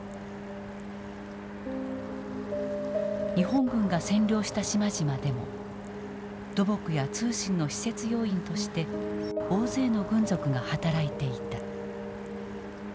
日本軍が占領した島々でも土木や通信の施設要員として大勢の軍属が働いていた。